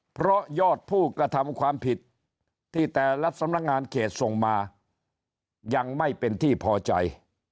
เพราะยอดผู้กระทำความผิดที่แต่ละสำนักงานเขตส่งมายังไม่เป็นที่พอใจ